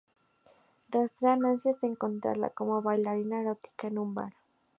Rastrea a Nancy hasta encontrarla como bailarina erótica en un bar.